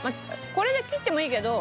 これで切ってもいいけど。